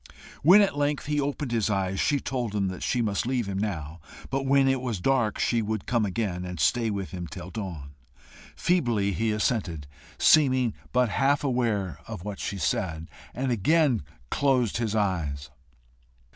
When at length he opened his eyes, she told him she must leave him now, but when it was dark she would come again, and stay with him till dawn. Feebly he assented, seeming but half aware of what she said, and again closed his eyes.